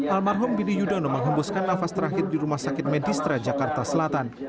almarhum bidi yudano menghembuskan nafas terakhir di rumah sakit medistra jakarta selatan